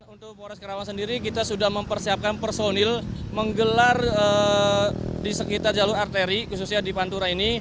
untuk polres karawang sendiri kita sudah mempersiapkan personil menggelar di sekitar jalur arteri khususnya di pantura ini